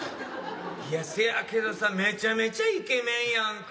いやせやけどさめちゃめちゃイケメンやんか。